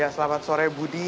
selamat sore budi